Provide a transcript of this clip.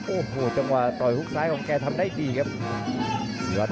โอ้โหจังหวะต่อยฮุกซ้ายของแกทำได้ดีครับ